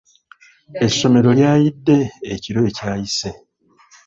Essomero lyayidde ekiro ekyayise.